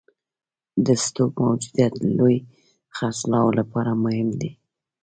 د سټوک موجودیت د لوی خرڅلاو لپاره مهم دی.